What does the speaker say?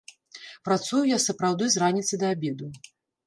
Працую я сапраўды з раніцы да абеду.